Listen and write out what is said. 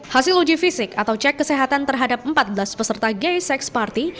hasil uji fisik atau cek kesehatan terhadap empat belas peserta gay sex party